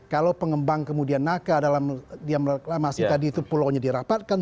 kalau pengembang kemudian naka dalam dia reklamasi tadi itu pulau nya dirapatkan